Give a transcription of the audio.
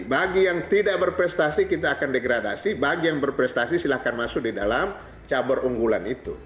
bagi yang tidak berprestasi kita akan degradasi bagi yang berprestasi silahkan masuk di dalam cabur unggulan itu